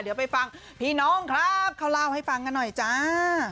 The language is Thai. เดี๋ยวไปฟังพี่น้องครับเขาเล่าให้ฟังกันหน่อยจ้า